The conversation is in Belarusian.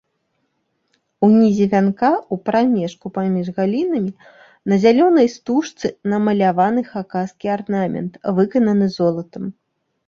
Унізе вянка, у прамежку паміж галінамі, на зялёнай стужцы намаляваны хакаскі арнамент, выкананы золатам.